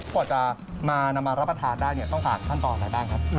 กว่าจะมารับประทานได้ต้องผ่านขั้นต่อไหนได้ครับ